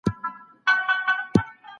تاسي د دې موضوع په اړه څه ليکلي دي؟